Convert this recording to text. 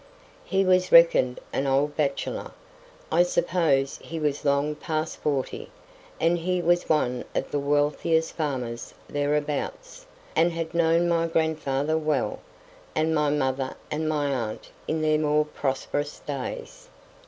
He was reckoned an old bachelor; I suppose he was long past forty, and he was one of the wealthiest farmers thereabouts, and had known my grandfather well, and my mother and my aunt in their more prosperous days.